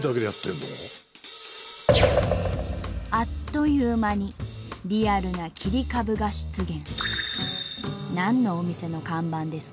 あっという間にリアルな切り株が出現。